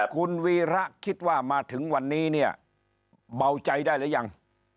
คุณวีระคิดว่ามาถึงวันนี้เนี่ยเบาใจได้หรือยัง